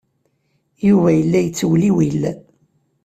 Yuba yella yettewliwil.